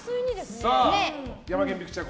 ヤマケン・ピクチャー